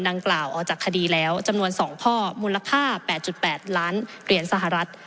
ดังกล่าวออกจากคดีแล้วจำนวน๒ข้อมูลค่า๘๘ล้านเหรียญสหรัฐ